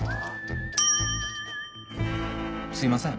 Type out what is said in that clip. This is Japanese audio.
すいません。